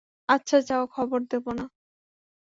আচ্ছা যাও, খবর দেব না।